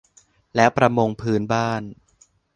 และประมงพื้นบ้าน